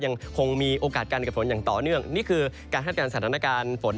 ยังคงมีโอกาสการเกิดฝนอย่างต่อเนื่องนี่คือการคาดการณ์สถานการณ์ฝน